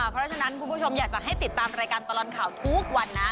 เพราะฉะนั้นคุณผู้ชมอยากจะให้ติดตามรายการตลอดข่าวทุกวันนะ